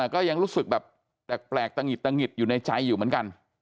ก็ยังรู้สึกแบบแปลกตะหงิดตะหิดอยู่ในใจอยู่เหมือนกัน